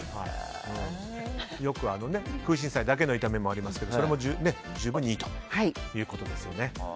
よく空心菜だけの炒め物もありますけど、それも十分にいいということですね。